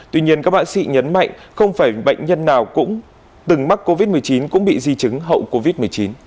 tuy nhiên các bác sĩ nhấn mạnh không phải bệnh nhân nào cũng từng mắc covid một mươi chín cũng bị di chứng hậu covid một mươi chín